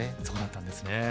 そうだったんですね。